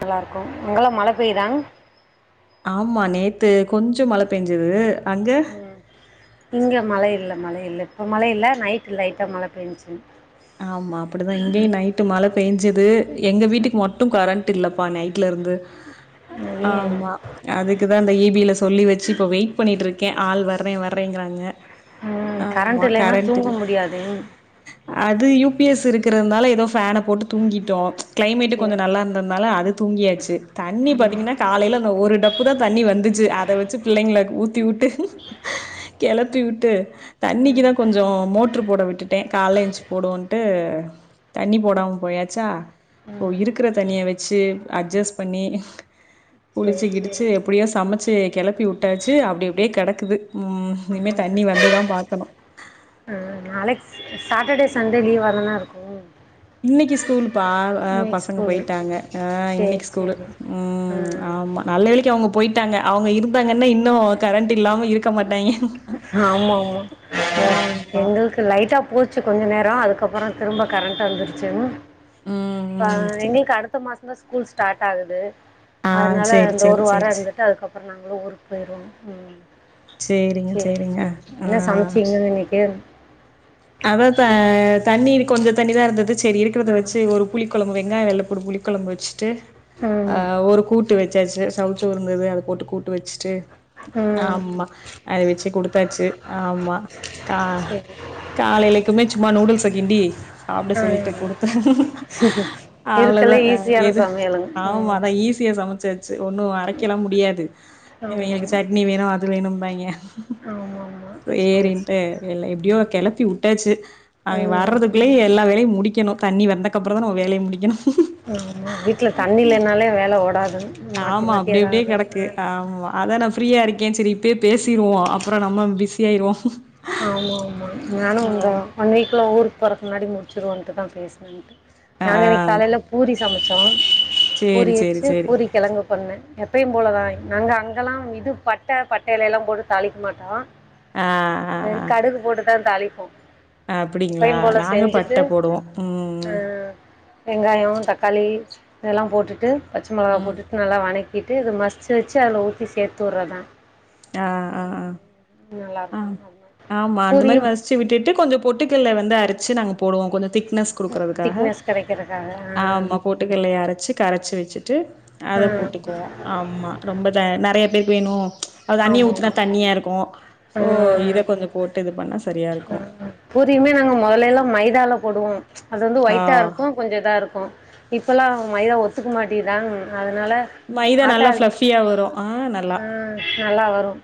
நல்லா இருக்கும் அங்கல்லாம் மழ பெயுதாங்க ஆமா நேத்து கொஞ்சம் மழ பெஞ்சுது உம் இங்க மழை இல்ல மழை இல் இப்ப மழ இல்ல நைட் லைட்டா மழ பெஞ்ச்சு ஆமா அப்படிதான் இங்கேயும் நைட்டு மழ பெய்ஞ்சுது எங்க வீட்டுக்கு மட்டும் கரண்ட் ல்ல ப்பா நைட் ல இருந்து இங்கயே ஆமா அதுக்குதான் அந்த இபில சொல்லி வச்சு இப்ப வெயிட் பண்ணிட்டு இருக்கேன் ஆள் வர மதியம் வர்றேங்கிறாங்க உம் ஆமா, கரண்ட் ஓகே. இல்லைன்னா தூங்க இல்ல. முடியாது அது யூ பிஎஸ் இருக்கிறதுனால ஏதோ ஃபேன போட்டு தூங்கிட்டோம் கிளைமேட்டு் சேர் கொஞ்சம் நல்லா இருந்ததுனால அது தூங்கியாச்சு தண்ணி ம் பாத்தீங்கன்னா காலைல அந்த ஒரு டப்பு தான் தண்ணி வந்துச்சு அத வச்சு பிள்ளைங்க ஊத்தி விட்டு கிளத்தி விட்டு ம் தண்ணிக்குதான் கொஞ்சம் மோட்ரு போட விட்டுட்டேன் காலைய எஞ்சி ட்டு தண்ணி போடாம போயாச்சா சோ ம் இருக்கிற தனிய வச்சு அட்ஜஸ்ட் பண் ணி சேரி புடிச்சு கிடிச்சு சேரிங்க எப்டியோ சிஸ்டர் சமச்சு கெளப்பி விட்டாச்சு அப்படி அப்படியே கெடக்குது உம் இனிமே ஆமாங்க தண்ணி சிஸ்டர் வந்துதான் பாக்கணும் ஆ நாளைக்கு சாட்டர்டே சண்டே லீவ்வா தானே இருக்கும் இனிக்கு ஸ்கூல்பா பசங்க ஸ்கூலு போயிட்டாங்க அ சேரி இனிக்கு ஸ்கூல் சேரி ஆ ம்ம் ஆமா நல்ல வேளைக்கு அவங்க போயிட் டாங்க அவங்க இருந்தாங்கன்னா இன் னோ கரண்ட் இல்லாம இருக் கமாட்டாயங்க ஆமா ஆமா எங்களுக்கு லைட்டா போச் ச்சு கொஞ்ச நேரம் அதுக்கப்புறம் திரும்ப கரண்ட் வந்துச்சு ம் அ ம் சரி எங்களுக்கு அடுத்த மாஸ் ஸ்கூல் ஸ்டார்ட் ஆகுது ஆ அன்னால சரி அந்த ஒரு சரி சரி வாரம் சரி இருந்துட்டு அதுக்கப்ப அப்புறம் நாங்களும் ஊருக்கு போயிவோம் சேரிங்க செரி சேரிங்க செரி என்ன ஆ சமைச்சிங்க இன்னிக்கு பனிதா இருந்தது செரி இருக்கத ஆ வச்சு ஒரு புளி கொலம்பு வெங்காய வெள்ளபுடு புளி கொலம்பு வச்சு ட்டு ம் ஒரு கூட்டு வச் சச்சு சொசோவ் உ இருந்தது அத போட்டு கூட்டு வச்சுட்டு ம் ஆமா அதவெச்சு குடு பாச்சு ஆமா சேரி கா காலைலக்குமே சும்மா‌‌ நூடுல்ஸ்‌கிண்டி‌ சாப்பட ஆ சொல்ட்டு குடுத்த இருக்கல அவ்ளோதா அ ஈஸியான எது சமையலுங்க ஆமா ம் நா ஈசியா சமச்சாச்சு ஒன்னும் அரைக்கலாம் முடியாது ஆமா இவீங்களுக்கு சட்னி வேணும் அது வேணும் பாயிங்க ஆமா ஆமா சேரி சேரி வெரிட்டுன் ல்ல எப்டியோ கிள கபி ஊட்டாச்சு அவங்க ம் வர்றதுக்குள்ளயே எல்லா வேலயும் முடிக்கணும் தண்ணி வந்தக்கப்புற தான் ஒரு வேலய முடிகனும் ஆமா வீட்ல தண்ணி இல்லனாலே வேல ஓடாதுங்க மாத்தி ஆமா மாத்தி அப்டிய அப்டியே ஏதாவது கிடக்கு ஆ ஆமா அதான் நான் ஃரீயா இருக்கேன் செரி இப்பயே பேசிருவோம் அப்புறம் நம்ம பிசீ எயிறோம் ஆமா ஆமா ந வந்தா ஒன் வீக்ல ஊருக்கு பொறக்கு முன்னாடி முடிச்சுடுவன்ட்டுதா பேசலான்ட்டு ஆ நாங்க இன்னைக்கு காலையில பூரி சமச்சோம் சேரி பூரி சேரி வச்சு சேரி பூரி கிலங்கு பண்ணேன் எப்யும் போலதான் நாங்க அங் இதெல்லாம் இது பட்ட பட்டயிலைல எல்லாம் போட்டு தாளிக்க மாட்டான் ஆ ஆ கடுகு போட்டு தான் தாளிப்போம் ஆ அப்டிங்களா எப்பையும் போல் நாங்க செஞ்சுட்டு பட்ட போடுவோ ம் வெங்காயம் தக் காளி இதெல்லாம் போட்டுட்டு பச்சை மிளகா ம் போட்டு நல்லா வனக் விட்டு இதை மசிச்சு வச்சு அதுல ஊத்தி சேர்த்து விடுறதான் ஆஹ் ஆஹ் ஆஹ் நல்லா இருக்கும் ஆமா அந்த மாரி மசிச்சு விட்டுட்டு கொஞ்சம் பொட்டு கடலை வந்து அரைச்சு நாங்க போடுவோம் கொஞம் திக் னஸ் கொடுக்கறதுக்காக திக்னஸ் கிடைக்கிறதுக்காக ஆமா பொட்டுக்கடலைய அரைச்சு கரைச்சு வச்சிட்டு ஆ ஆ அத போட்டுக்குவோம் ஆமா ரொம்ப நறைய வே வேணும் அது தண்ணியை ஆமாம் ஊத்துனா ஆமாம் தண்ணியா இருக்கும் ஸோ இதை கொஞ்சம் போட்டு இது பண்ணேன் புரியுமே நாங்க முதல்ல எல்லாம் மைதால போடுவோம் அது வந்து ஆ ஒயிட்டா இருக்கும் கொஞ்சம் இதா இருக்கும் இப்பல்லாம் மைதா ஒத்துக்க மாட்டிதான் அத னால மைதா நல்லா ஆட்டால் ஃப்ளஃபியா வரு ஆ நல்லா உம் நல்லா வரும்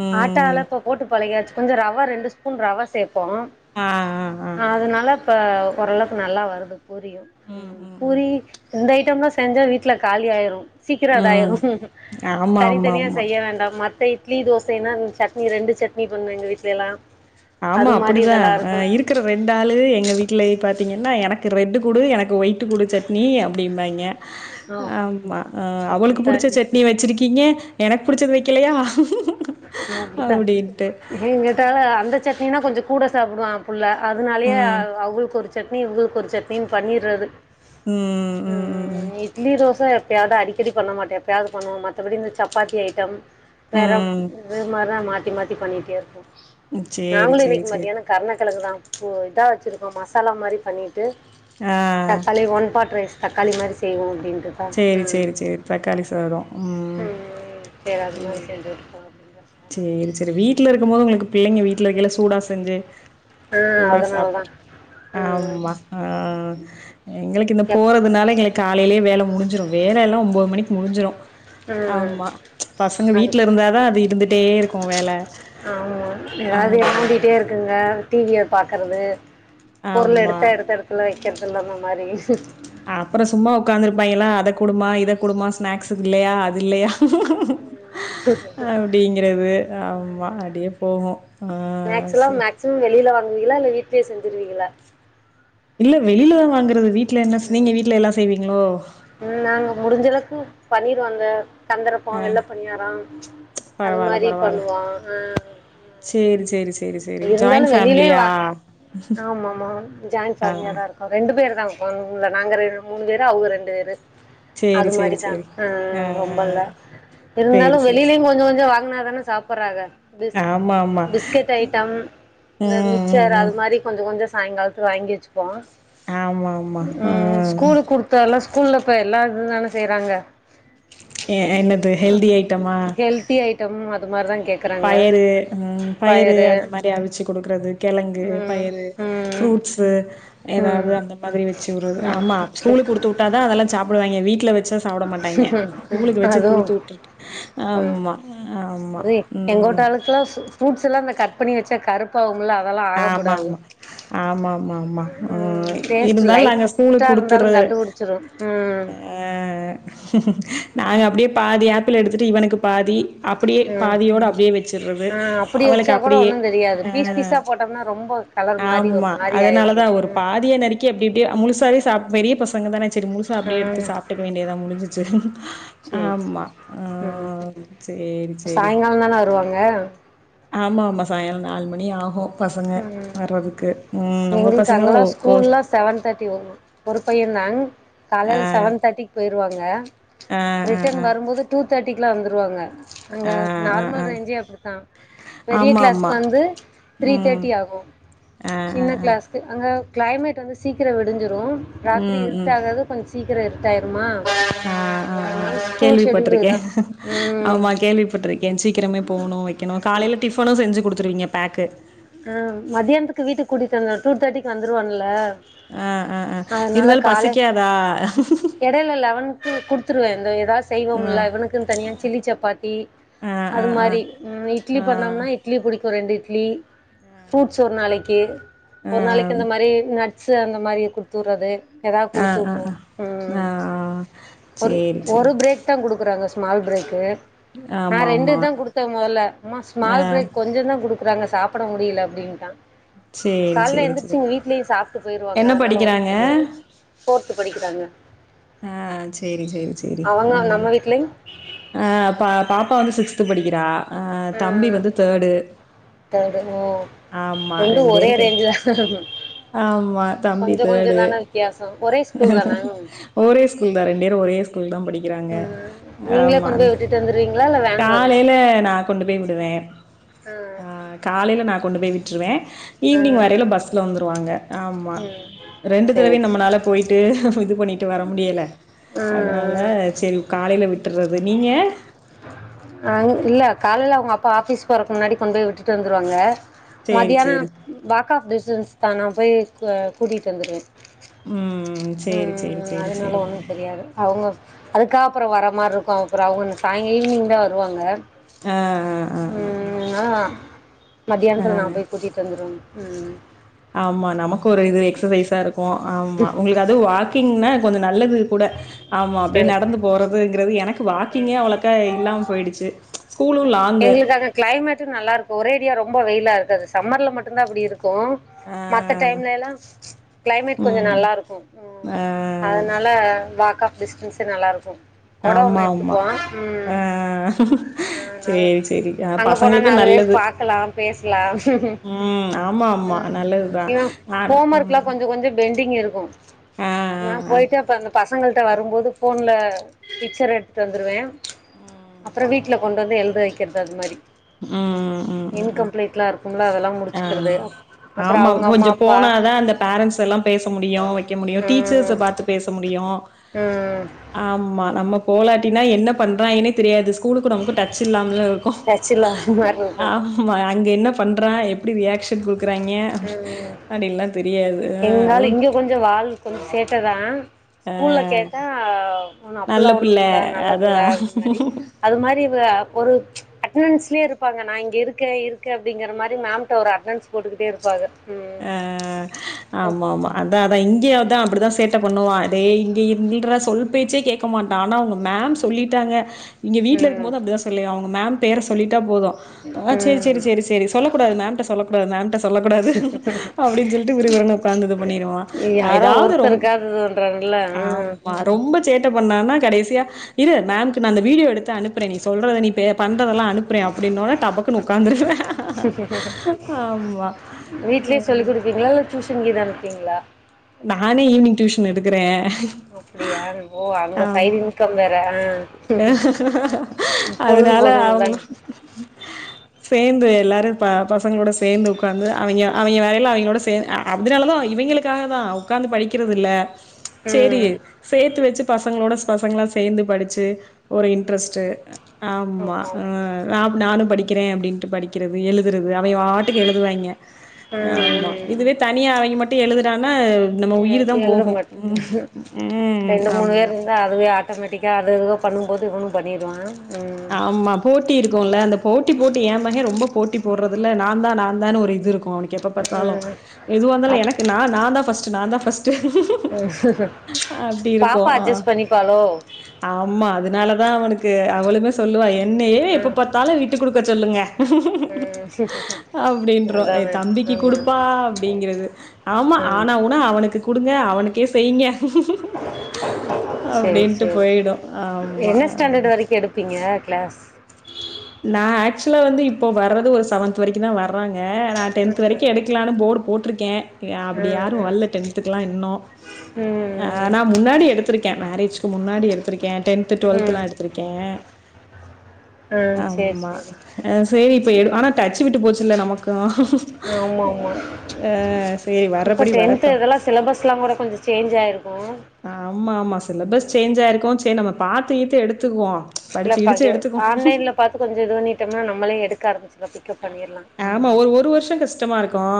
ம் ஆட்டால இப்ப போட்டு பழகியாச்சு கொஞ்சம் ரவா ரெண்டு ஸ்பூன் ராவா சேப் போம் ஆ ஆ ஆ அதனால இப்ப ஒரளவுக்கு நல்லா வருது பூரியும் ம் உம் ம் ம் பூரி இந்த ஐட்டம்லாம் செஞ்சா வீட்ல காலி ஆயிரும் சீக்கிரம் ம் இதாயிரும் ஆமா ஆமா தனித்தனியா ஆமா செய்ய வேண்டாம் ம இட்லி தோசைன்னா சட்னி ரெண்டு சட்னிபண்ணுவேன் எங்க வீட்ல எல்லாம் ஆமா அப்படிதான் அஹ் இருக்கிற ரெண்டு ஆளு எங்க வீட்டு்லயே பார்த் தீங்கன்னா எனக்கு ரெட்டு குடு எனக்கு ஒயிட் குடு சட்னி அப்படிம்பாங்க ஆ ஆமா அவுளுக்கு அப்படித்தான் புடிச்ச சட்னி வச்சிருக்கீங்க எனக்கு புடிச்சது வைக்கலையா அப்படித்தான் அப்டின்ட்டு என்கிட்ட அந்த சட் ஏன்னா கொஞ்ச கூட சாப்டுவா புள்ள அதனாலயே ம் அவுளு கொறிச்சி சட்னி உங்களுக்கு ஒரு சட்னியு பண்ணிற்றது ம் ம் ம் உம் இட்லி தோச எப்பயாவது அடிக்கடி பண்ண மாட்டே எப்பயாவது பண்ணுவோம் மத்தபடி இந்த சப்பாத்தி ஐட்டம் உம் அது மாரிதா மாத்தி மாத்தி பண்ணிகிட்டே இருப்போ ம் சேரி நாங்களு சேரி இன்னிக்கு சேரி மாத்தியான கர்ணக்கெலங்கு தா ஓ இதா வெச்சிருக்கோ மசாலா மாரி பண்ணி ட்டு ஆ தக்காளி ஒன் பாட் ரைஸ் தக்காளி மாரி செய்வோ அப்டின் செரி செரி செரி தக்காளி சாதம் உம் ம் சரி அது செரி மாதிரி செஞ்சுருக்கோம் அப்படின்ற சாதம். செரி செரி வீ ட்டுல இருக்கும் போது உங்களுக்கு பிள்ளைங்க வீட்ல இருக்கையல்ல சூடா செஞ்சி ஆ சூடா அதனால தான் சாப்பட்ற ம் ஆமா ஆ எங்களுக்கு இந்த எப் போறதுனால எங்களுக்கு காலையிலயே வேல முடிஞ்சிரு வேல எல்லா ஒம்போது மணிக்கு முடிஞ்சிடு ம் ஆமா பசங்க வீட்ல அதுக்கு இருந்தாதா அது இருந்துட் ஆமா ஏதாவது ஆமா வெளாண்ட்டிட்டே இருக்கற்து இவங்க டிவிய பாக்கறது பொருள் ஆமா எடுத்த எடுத்த எடத்துல வைக் வெக்கிறதில்ல அந்த மாரி அப்புற சும்மா உக்காந்துருப்பாயங்கலா அத குடுமா இத குடுமா ஸ்நாக்ஸக்கு இல்லையா அது இல்லையா அப்டிங்கிறது ஆமா வாடியே போவு ஸ்நாக்ஸ்ல்லா மேக்சிமம் வெளியில வாங் குவீங்களா இல்ல வீட்லே செஞ்சிருவீங்களா இல்ல வெளியிலதா வாங்குறது வீ ட்ல என்ன நீங்க வீட்டுல எல்லா செய்வீங்களோ பண்ணிடுவோ அந்த தந்தறப்போ ஆ வெள்ள பணியார உம்ச்ச் அது பரவால்ல மாரி பரவால்ல. பண்ணுவோ ஆ சேரி சேரி சேரி சேரி இருந்தாலு ஜாயிண்ட் வெளியிலே ஃபேமிலியா? வா ஆமா ஆமா ஜாயிண் ஆ ஃபேமிலியாதா இருக்கு ரெண்டு பேர் தா ஒரு [unintelligible] நாங்க ரெண்டு மூணு பேரு அவுங்க ரெண்டு பேரு அது சேரி சேரி மாரிதா சேரி. ஆ ரொம்ப இல்ல இருந்தாலு சேரி சேரி சே வெளிலயு கொஞ்ச கொஞ்ச வாங்குனாதானே சாப்பிட்றாங்க பி ஆமா ஆமா. பிஸ்கெட் ஐட்டம் இந்த ம் மிக்சர் ம் அது ம். மாரி கொஞ்சம் கொஞ்சம் சாயங்காலத்துக்கு வாங்கி வச்சுப்போம் ஆமா ஆமா. ஆ உம் ஸ்கூல் குடுத்தத்து எல்லாம் ஸ்கூல்ல இப்ப எல்லாம் இது தானே செய்யறாங்க எ என்னது ஹெல்தி ஐட்டமா? ஹெல்த்தி ஐட்டம் ம இதுமாரி தான் பயறு உம் பயறு அந்த மாதிரி அவிச்சு குடுக்கறது கெழங்கு ம் பயிறு ம் ஃப்ரூட்ஸு ம் எதாவது அந்த மாதிரி வச்சு விடுறது ஆமா ஸ்கூலு கொடுத்து விட்டாதான் அதெல்லாம் சாப்பிடுவாங்க வீ வீட்ல வ ச்சு சாப்பிட மாட்டாங்க ம் ஸ்கூல்லுக்கு வச்சு அதுவு கொடுத்து விட்டுட்டு ஆமா ஆமா எங்கோட்ட ம் அளுக்குலாம் ஃப்ரூட்ஸ் எல்லாம் இந்த கட்பன்னி வச்சா கருப்பாவும் ஆமா ஆமா ஆமா ஆமா ஆமா ம் அஹ் டேஸ்ட் இருந்தாலும் நாங்க லைட்டா ஸ்கூலுக்கு இருந்தாலு குடுத்துறது கண்டுபுடிச்சிரு ம் ஆஹ் நாங்க அப்படியே பாதி ஆப்பிள் எடுத்துட்டு இவனுக்கு பாதி அப்படியே ம் பாதியோடு அப்படியே வச்சுடுறது ஆ அப்டி அவுங்களுக்கு வச்சா கூட அப்படியே ஒன்னு தெரியாது பீஸ் ஆஹ் பீஸா போட்டோம்னா ரொம்ப கலர் மாரி ஒரு ஆமா மாரி ஆயிருது அதனாலதான் ஒரு ம் பாதியை நறுக்கி அப்படி அப்படியே முழுசாவே சா ப் பெரிய பசங்க தானே சரி முழுசா அப்படியே எடுத்து ம் சாப்பிட்டுக்க வேண்டியதான் முடிஞ்சிச்சு சேரி ஆமா ம் ஆஹ் சேரி சேரி சாயங்கால தான வருவாங்க ஆமா ஆமா சாயங்காலம் நாலு மணி ஆகும் பசங்க உம் வர்றதுக்கு. ம் உங்க எங்களுக்கு பசங்க ஒ அங்கெல்லாம் ஒ ஸ்கூல்லல்லாம் செவன் தேர்ட்டி வரும் ம் ஒரு பையன் தான் ஆ காலையில செவன் தேர்ட்டிக்கு போய்டுவாங்க ஆ ஆ ரிட்டர்ன் ஆ வரும்போது டூ தேர்ட்டிக்கு குலாம் வந்துருவாங்க அங்க ஆ ஆ ஆ. நார்மல் ரேஞ்சே அப்படித்தான் பெரிய ஆமா, கிளாஸ்க்கு ஆமா. வந்து த்ரீ ம். தேர்ட்டி ஆகும் ஆ ஆ சின்ன ஆ. கிளாஸ்க்கு அங்க கிளைமேட் வந்து சீக்கிரம் விடிஞ்சு ரும் ராத்திரி ம், இருட்ட ஆகாது கொஞ்ச சீக்கிரம் இருட்டாயிருமா ஆஹ் ஆஹ்ஹ் அதனால ஸ்கூல் ஷெடியூல் கேள்விப்பட்டிருக்கே இதா ம் ஆமா கேள்விப்பட்டிருக்கே சீக்கிரம போகணு வைக்கனு காலையில டிபனும் செஞ்சு கொடுத்துருவீங்க பேக்கு ஆஹ் மதியானத்துக்கு வீட்டுக்கு கூட்டிட்டுந்தேன் டூ தேர்ட்டிக்கு வந்துருவான்னுல ஆஹ் ஆஹ் ஆஹ் இருந்தாலும் பசிக்காதா ஒரு இழய எடுத் ஆ செய்வொம்ல இவனுக்குன் தனியா சில்லி சப்பாத்தி ஆ ஆ அது ஆ மாதிரி இட்லி ஆ ஆ பண்ணம்னா இட்லி பிடிக்கும் ரெண்டு இட் இட்லி ஃப்ரூட்ஸ் ஒரு நாளைக்கு ஒரு நாளைக்கு இந்த மாதிரி ஸ்புருட்ஸ் அந்த மாதிரி கொடுத்துட்றது எதாவது ஆ ஆ குடுத்து குடுத்துவிட்ருவேன் ஆ ஆ உம் ஒரு சேரி ஒரு சேரி பிரேக் தான் குடுக்குறாங்க ஸ் ஸ்மால் ப்ரேக்கு ஆமா நான் ரெண்டு ஆமா தான் கொடுத்தேன் முதல்லமா ஆ ஸ்மால் பிரேக் கொஞ்சா தான் குடு குதாங்க சாப் சாப்பட முடியலை அப்படின்ட்டா சேரி கால்ல சேரி சேரி எந்திரிச்சுங்க வீட்டுலேயே சாப்ட்டு போயிருவாங்க என்ன அதனால ஒண்ணு படிக்கிறாங்க தெரியாது போ படிக்கிறாங்க ஆஹ் செரி செரி செரி அவங்க நம்ம வீட்லயும் ஆஹ் பா பாப்பா வந்து சிக்ஸ்த்து படிக்கிறா அஹ் ஆ தம்பி வந்து தேர்டு ஓ ஆமா ரெண்டும் ஒரே ரேஞ்சு தான் ஆ பா தம்பி தேடு ஒரே ஸ்கூல் தான ஒரேஸ்கூல் தா ரெண்டேரும் ஒரே ஸ் தான் படிக்கிறாங்க ம் நீங்களே ஆமா கொண்டு போய் விட்டுட்டு வந்துருவீங்களா இல்ல வேன் வருமா காலையில நா கொண்டு போய் விடுவேன் ஆ ஆஹ் காலையில நான் கொண்டு போய் விட்ருவேன் ஆ ஈவினிங் வரையில பஸ்ல வந்துருவாங்க ஆமா ம் ரெண்டு சேரி பெரையும் சேரி நம்மளால விட்டுட்டு இது பண்ணிட்டு வர முடியல அதனால செரி காலையில விட் விட்ரது அஹ இல்ல காலேலா அப்பா ஆபீஸ் போரத்துக்கு முன்னாடி கொண்டு போய் விட்டு வந்துருவாங்க சேரி மதியியான சேரி வாக்க ஆப் டிஸ்னன் தான் நா போய் அ கூட்டிகிட்டு வந்துடுவேன் உம் உம் அதனால ஒண்ணும் தெரியாது அவங்க அதுக்க அப்புறம் வர மாரி இருக்கும் அப்புறம் அவங்க சாயங்க ஈவினிங் தான் வருவாங்க ஆஹ் ஆஹ் ஆஹ் ஆஹ்ஹ் மதியியானத்தில நா போய் கூட்டிகிட்டு வந்துவேன் உம் ஆமா நமக்கு ஒரு இது எக்சச இருக் ப்ப ஆமா உங்களுக்கு அது வாக்கிங்னா கொஞ்சம் நல்லது கூட ஆமா அப்படியே சரி நடந்து போறது கிறது எனக்கு க் வாக்கிங்கே அவ்ளக்கா இல்லாம போயிடுச்சு ஸ்கூலும் லாங்கு. எங்களுக்காக கிளைமேட்ட நல்லா இருக்கும் ஒரேடியா ரொம் ம்ப வெயிலா இருக்குது சம்ர்ல மட்டும்தான் அப்படி இருக் ஆ மொத்த டைம் இல்ல எல்லாம் டைம்ல எல்லாம் கிளைமேட் கொஞ்சம் ம். நல்லா உம் இருக்கும் ஆ அதனால வாக்க டிஸ்டன்ஸே நல்லாயிருக்கும் குடம் ஆமா ஒன்று ஆமா ஆஹ் ஆஹ் அங்க போனா நாலு பேர் நல்லது. பாக்கலாம் பேசலாம் ம். ஆமா, ஆமா. அஹ் நல்லதுதான். இவ நானு ஹோம் ஒர்க் ம். எல்லாம் கொஞ்ச கொஞ்ச பெண் அப்படிங்க இருக்கு ஆ, நா ஆ, ஆ. போயிட்டேப்பந் பச பசங்கள்ட வரும்போது போன்ல பிக்சர் எடுத்து வந்துடுவேன் ம். அப்புறம் வீட் ட்டில கொண்டு வந்து எழுது வைக்கிறது அது மாரி உம் உம் உம் இன்கம்ப்ளீட்லா இருக்கும்ல அதெல்லா ஆஹ் முடிச்சுக்கிறது அப்புற ஆமா அவங்க அம்மா கொஞ்சம் அப்பா போனாதான் அந்த பேரண்டட்ஸ் எல்லாம் பேச முடியும் வைக்க முடியும் டீச்சர்ஸ ம் பார்த்து பேச முடியும் ம் ஆமா நம்ம போலாட்டினா என்ன பண்றாய எனே தெரியாது கூடுக்குறவக்கு டச் இல்லாமல இருக்கு லா மாரி இருக்கு ஆமா அங்க என்ன பண்றன் எப்படி ரியாக்ஷன் கொடுக் உம் தெரியாது ஆ அதுவு எங்களால இங்க கொஞ்சம் வாழ் கொஞ்ச சேட்டதான் ஆ ஸ்கூல்ல கேட்டா அப்பல்லாம் ஒண்ணும் பிள்ள நல்ல அதா பிள்ள அப்படனு மாரி அது மாரி அ ஒரு அட்டன்ஸ்ல இருப்பாங்க நா இங்க இருக்க இருக்க அப்படிங்கிற மாரி மேம்ட ஒரு அட்டான்ஸ் போட்டுக்கட்டு இருபங்க ஆஹ் ஆமா ஆமா அதா அதா இங்க தான் அப்படிதான் சேட்ட பண்ணுவா அதே இங்க இருறா சொல் பேச்சே கேட்க மாட்டான் ஆனா அவங்க மேம் சொல்லிட்டாங்க இங்க வீட்ல இருக்கும் ம் போது அப்படிதா சொல்லி ஆகனும் அவங்கமேம் பேர சொல்லிட் டா போதும் ஆஹ் செரி ம் செரி செரி செரி சொல்லக் கூடாது மேம்ட்ட சொல்லக் கூடாது மேம் ட்ட சொல்லக் கூடாது அப்டின்னு சொல்லிட்டு விரு விரு உட்காந்து இது பண்ணிருவான் யாரோ ஏதாவது ரொ ஒருத்தருக்காவது இதுன்றாங்கல்ல ம் ஆமா ரொம்ப சேட்ட பண்ணான்னா கடைசியா இரு மேம்க்கு நான் வீடியோ எடுத்து அனுப்புறேன் நீ சொல்றத நீ பண்றதெல்லாம் அனுப்புறன் அப்படின்னவொடனே டபக்கு உட்காந்துருவே ஆமா அ வீ்ட்லியே சொல்லி கொடுப்பீங்களா இல்ல டியூஷன்க்கு தான அப்டிங்களா நானே ஈவினிங் டியூஷன் எடுக்கிறேன் அப்படியா ஓ அங்க ஆஹ் சைடு இன்கம் வேற ஆ பொழுது அதனால போணும்ல அவங்களு சேர்ந்து எல்லாரும் பசங்களோட சேர்ந்து உட்கார்ந்து அவி ங்க அவிங்க வேலையில அவிங்களோட சேர் அதனாலதான இவிங்களுக்காக ன அவ் உகாந்து படிக்கிறது இல்ல ம் செரி ம் சேர்த்து வச்சு பசங் பசங்களோட பசங்களா சேர்ந்து படிச்சு ஒரு ம் இன்ட்ரெஸ்ட் ஆமா நானும் படி படிக்கிறன் அப்டின்ட்டு படிக்கிறது எழுதுறது அவங்கி வாட்டுக்கு எழுதுவாய்ங்க ஆமா ம் இதுவே தனியா அவங்கி மட்டும் எழுதுரான் ஆனா நம்ம உயிர் தான் எழுத போகும் மாட்டேது உம் ஆமா ஆட்டோமேட்டிக்காக அதுக பண்ணும்போது இவனும் பண்ணடுவான் ஆமா போட்டி இருக்கும்ல அந்த போட்டி போட்டு ஏ மக ரொம்ப போட்டி போடுறது நான் தான் நான் தான் ஒரு இது இருக்கும் எப்ப பாத்தாலும் எதுவாந்தாலு எனக்கு நா தான் ஃபஸ்ட் நா தான் ஃபஸ்ட் ம் அப்படி பாப்பா இருக்கும் அட்ஜஸ்ட் பண்ணிப்பாளோ ஆமா அதனாலதான் அவனுக்கு அவலும் சொல்லுவா என்னைய எப்ப ம் பார்த்தாலும் விட்டு கொடுக்க சொல்லுங்க ம் அப்படின்ற அதானே தம்பிக்கு ம் குடுப்பா அப்படிங்கிறது ஆமா ம் ஆனா ஊனா அவனுக்கு குடுங்க அவனுக்க இத செய்ங்க செரி அப்டின்ட்டு செரி போயிடும். ஆமா. என்ன ஆ. ஸ்டாண்டர்ட் வரைக்கும் எடுப்பீங்க க்ளாஸ் நான் ஆசுவலா வந்து இப்போ வர்றது ஒரு செவன்த் வரைக்கும் தான் வறாங்க நான் டென்த் வரைக்கும் எடுக்கலாம்னு போர்டு போட்டு போட்டுருக்கே அப்படி யாரும் ம் வரல டென்த்துக்கு எல்லாம் இன்னும் ம் ம் ஆஹ் நான் முன்னாடி எடுத்திருக்கேன் மேரேஜ்க்கு முன்னாடி எடுத்திருக்கேன் டென்து ம் ம் ம் டுவெல்த்லாம் எடுத்திருக்கேன் ம் சேரி ஆமா சேரி சேரி இப்ப ஆனா டச்சு விட்டு போச்சு நமக்கும் ஆமா ஆமா அ சரி இப்ப வர்றபடி டென்த் வரட்டும். இதெல்லாம் சிலபஸ் எல்லாம் கூட கொஞ்சம் சேஞ்ச் ஆயிருக்கும் ஆமா ஆமா சிலபஸ் சேஞ்ச் ஆயிருக்கும் சே நம்ம பாத்துக்கித்து எடுத்து இல்ல பா ஆன்லைன்ல பாத்து கொஞ்சம் இது பண்ணிட்டோம்னா நம்மளே எடுக்கா ஆரம்பிச்சுடா பிக்கப் பண்ணிடலா ஆமா ம் ஒரு ஒரு வருஷம் கஷ்டமா இருக்கும்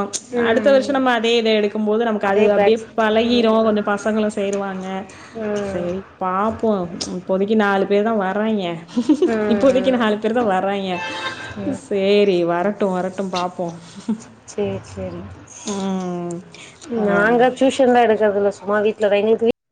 அடுத்த வருஷம் ம் நம்ம அதே இத எடுக்கும் போது நமக்கு அது அதே அப்படியே பேட்ச் பழகிரும் ம் கொஞ்சம் பசங்களும் சேருவாங்க ம் சரி பாப்போம் இப்போதைக்கு நாலு பேர் தான் வர வர்றாய்ங்க இப்போதைக்கு ம் நாலு பேர் தான் வர்றாய்ங்க ம் சரி வர வரட்டும் பாப்போம் சேரி சேரி உம் ஆமா எடுக்கறதுல்ல சும்மா வீட்டுல எங்களுக்கு வீட்